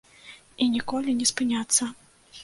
І ніколі не спыняцца.